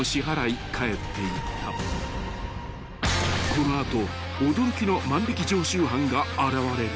［この後驚きの万引常習犯が現れる］